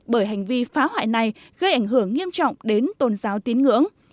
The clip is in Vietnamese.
bởi hành vi phá hoại này gây ảnh hưởng nghiêm trọng đến tôn giáo tín ngưỡng